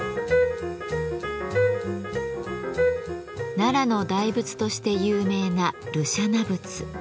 奈良の大仏として有名な盧舎那仏。